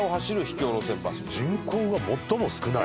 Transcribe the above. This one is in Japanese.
人口が最も少ない？